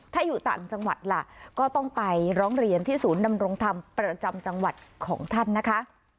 ถ้าอยู่ต่างจังหวัดล่ะก็ต้องไปร้องเรียนที่ศูนย์ดำรงธรรมประจำจังหวัดของท่านนะคะ